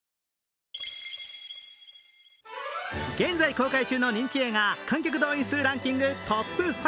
現在公開中の人気映画、観客動員数ランキングトップ５。